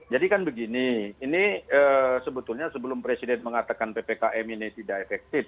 kan begini ini sebetulnya sebelum presiden mengatakan ppkm ini tidak efektif